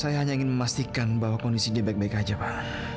saya hanya ingin memastikan bahwa kondisi dia baik baik saja pak